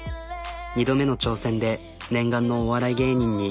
２度目の挑戦で念願のお笑い芸人に。